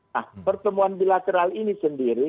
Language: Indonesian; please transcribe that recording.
nah pertemuan bilateral ini sendiri